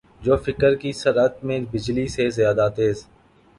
جو فکر کی سرعت میں بجلی سے زیادہ تیز